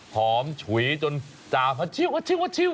หอมฉุยจนจามอาชิวอาชิวอาชิว